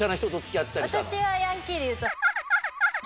私はヤンキーでいうと。